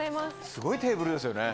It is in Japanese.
すごいテーブルですよね。